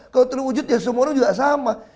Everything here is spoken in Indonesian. kalau terwujud ya semua orang juga sama